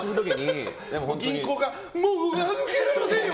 銀行がもう預けられませんよ！